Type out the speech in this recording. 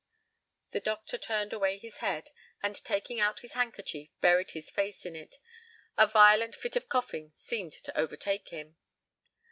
The doctor turned away his head, and, taking out his handkerchief, buried his face in it, a violent fit of coughing seeming to overtake him.